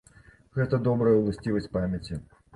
Гэта добрая ўласцівасць памяці.